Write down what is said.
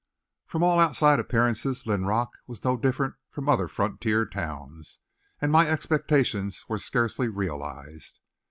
From all outside appearances, Linrock was no different from other frontier towns, and my expectations were scarcely realized.